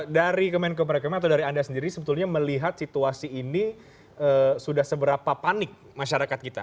dari kemenko perekonomian atau dari anda sendiri sebetulnya melihat situasi ini sudah seberapa panik masyarakat kita